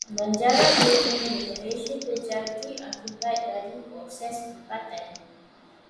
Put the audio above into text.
Banjaran gunung di Malaysia terjadi akibat daripada proses lipatan.